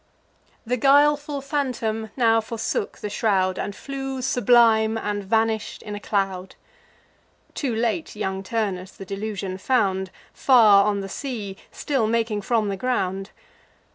The guileful phantom now forsook the shroud, And flew sublime, and vanish'd in a cloud. Too late young Turnus the delusion found, Far on the sea, still making from the ground.